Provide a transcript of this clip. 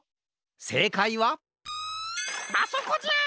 せいかいはあそこじゃ！